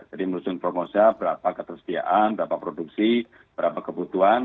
jadi menyusun prognosa berapa ketersediaan berapa produksi berapa kebutuhan